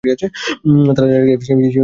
তারা জানে যে, সিম্বার আইসক্রিম পছন্দ।